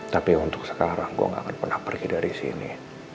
tapi untuk sekarang gue gak akan pernah pergi dari sini